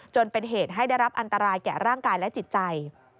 จนเป็นเหตุให้ได้รับอันตรายแก่ร่างกายและจิตใจ